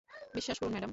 বিশ্বাস করুন, ম্যাডাম।